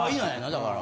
だから。